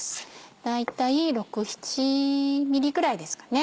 大体６７ｍｍぐらいですかね